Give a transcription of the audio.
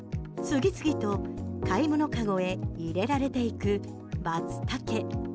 次々と買い物籠へ入れられていくマツタケ。